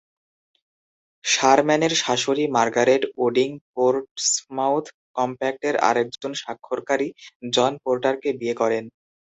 শারম্যানের শাশুড়ি Margaret Odding Portsmouth কম্প্যাক্টের আরেকজন স্বাক্ষরকারী জন পোর্টারকে বিয়ে করেন।